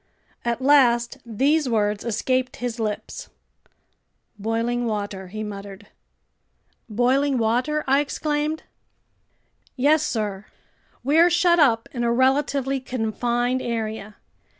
At last these words escaped his lips: "Boiling water!" he muttered. "Boiling water?" I exclaimed. "Yes, sir. We're shut up in a relatively confined area.